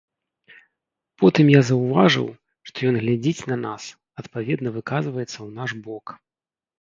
Потым я заўважыў, што ён глядзіць на нас, адпаведна выказваецца ў наш бок.